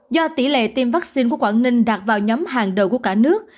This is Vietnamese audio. do tỷ lệ tiêm vaccine của quảng ninh đạt vào nhóm hàng đầu của cả nước